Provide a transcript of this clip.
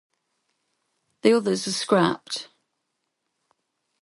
The others were scrapped.